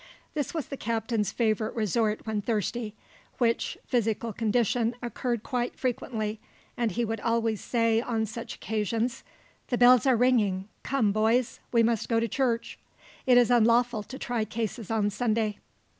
This was the captain's favorite resort when thirsty, which physical condition occurred quite frequently, and he would always say on such occasions: "The bells are ringing; come, boys, we must go to church. It is unlawful to try cases on Sunday."